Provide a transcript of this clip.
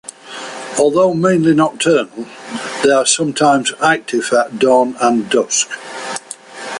Although mainly nocturnal, they are sometimes active at dawn and dusk.